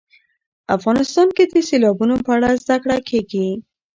افغانستان کې د سیلابونه په اړه زده کړه کېږي.